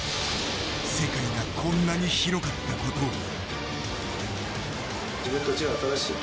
世界がこんなに広かったことを。